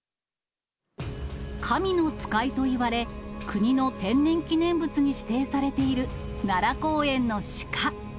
神の使いといわれ、国の天然記念物に指定されている、奈良公園のシカ。